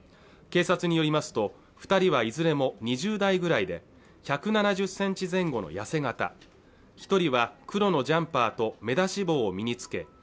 警察によりますと二人はいずれも２０代ぐらいで１７０センチ前後の痩せ型一人は黒のジャンパーと目出し帽を身につけ